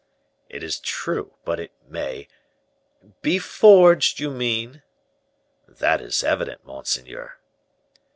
"It is true, but it may " "Be forged, you mean?" "That is evident, monseigneur."